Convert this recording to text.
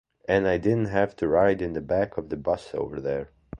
And I didn't have to ride in the back of the bus over there.